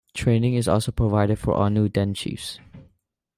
Training is also provided for all new den chiefs.